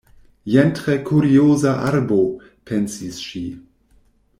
"Jen tre kurioza arbo," pensis ŝi.